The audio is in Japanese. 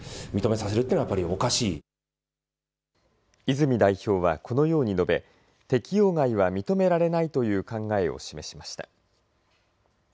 泉代表はこのように述べ適用外は認められないという考えを示しました。